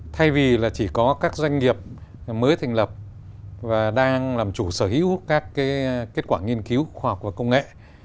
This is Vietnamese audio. thay vì chỉ có các doanh nghiệp mới thành lập và đang làm chủ sở hữu các kết quả nghiên cứu khoa học và công nghệ